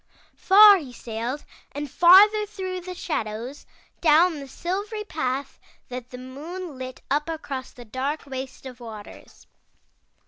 Far he sailed and farther through the shadows, down the silvery path that the moon lit up across the dark waste of the waters.